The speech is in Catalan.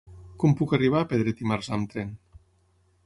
Com puc arribar a Pedret i Marzà amb tren?